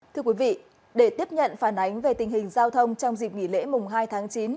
thưa quý vị để tiếp nhận phản ánh về tình hình giao thông trong dịp nghỉ lễ mùng hai tháng chín